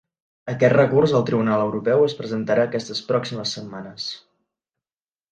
Aquest recurs al tribunal europeu es presentarà aquestes pròximes setmanes.